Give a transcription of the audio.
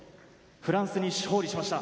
フランスに勝利しました。